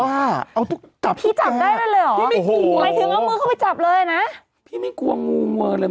พี่จับได้เลยเหรอนะคะทุกวัน